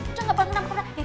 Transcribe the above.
tidur gak pernah karena